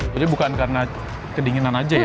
jadi bukan karena kedinginan aja ya